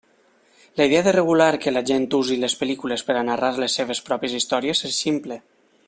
La idea de regular que la gent usi les pel·lícules per a narrar les seves pròpies històries és ximple.